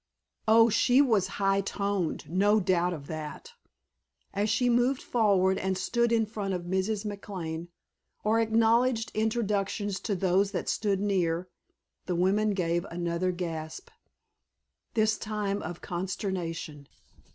Oh, she was "high toned," no doubt of that! As she moved forward and stood in front of Mrs. McLane, or acknowledged introductions to those that stood near, the women gave another gasp, this time of consternation.